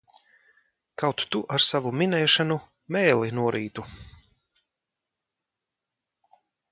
Kaut tu ar savu minēšanu mēli norītu!